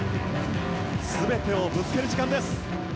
全てをぶつける時間です。